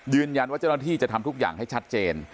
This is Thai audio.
ยืนยันวัตถีจนทำทุกอย่างให้ชัดเจน